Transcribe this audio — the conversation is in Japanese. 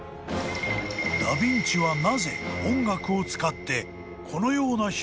［ダ・ヴィンチはなぜ音楽を使ってこのような秘密を絵に隠したのか］